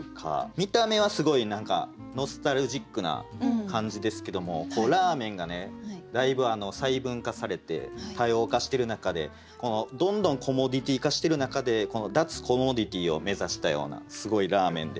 見た目はすごい何かノスタルジックな感じですけどもラーメンがねだいぶ細分化されて多様化してる中でどんどんコモディティ化してる中で脱コモディティを目指したようなすごいラーメンで。